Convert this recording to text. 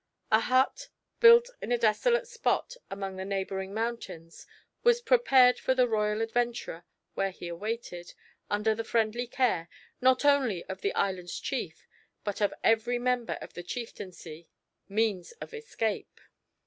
A hut, built in a desolate spot among the neighbouring mountains was prepared for the royal adventurer where he awaited, under the friendly care, not only of the island's chief, but of every member of the chieftaincy, means of escape.